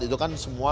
itu kan semua